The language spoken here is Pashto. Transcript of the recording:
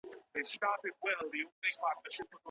قلمي خط د زده کړي د بهیر تر ټولو باوري میتود دی.